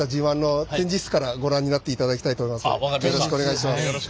よろしくお願いします。